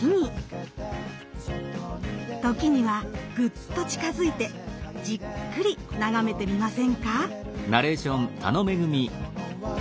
時にはグッと近づいてじっくり眺めてみませんか。